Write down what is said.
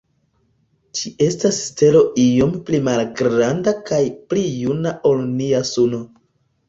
Ĝi estas stelo iom pli malgranda kaj pli juna ol nia Suno.